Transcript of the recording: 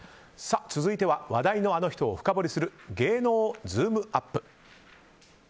続いては話題のあの人を深掘りする芸能ズームＵＰ！